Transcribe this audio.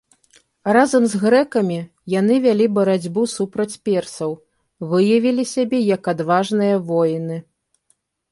Разам з грэкамі, яны вялі барацьбу супраць персаў, выявілі сябе як адважныя воіны.